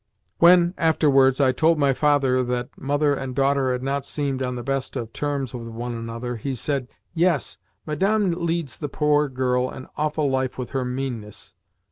When, afterwards, I told my father that mother and daughter had not seemed on the best of terms with one another, he said: "Yes, Madame leads the poor girl an awful life with her meanness.